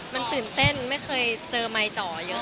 มันตื่นเต้นไม่เคยเจอไมค์จ่อเยอะ